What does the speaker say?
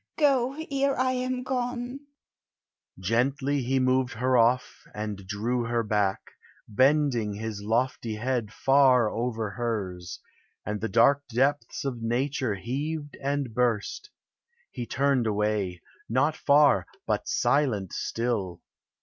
go ere I am gone!" Gently he moved her off, and drew her back, Bending his lofty head far over hers; And the dark depths of nature heaved and burst. He turned away, not far, but silent still.